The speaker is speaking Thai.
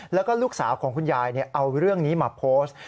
แล้วก็ลูกสาวของคุณยายเอาเรื่องนี้มาโพสต์